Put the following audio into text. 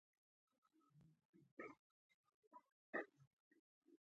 دوی د تفریح لپاره ډیر وسایل په لاس کې لري